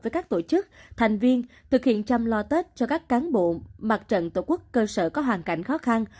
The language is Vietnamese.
với các tổ chức thành viên thực hiện chăm lo tết cho các cán bộ mặt trận tổ quốc cơ sở có hoàn cảnh khó khăn